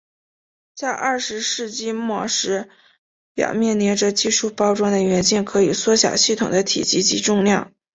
在二十世纪末时表面黏着技术包装的元件可以缩小系统的体积及重量。